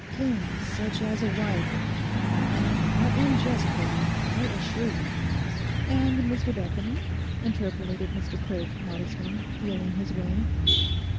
Things such as a wife... And not in jest, Bettie; I assure you....' 'And Mr Bethany?' interpolated Mr Craik modestly, feeling his way.